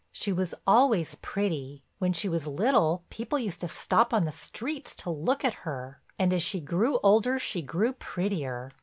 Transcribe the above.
"She was always pretty—when she was little people used to stop on the streets to look at her—and as she grew older she grew prettier.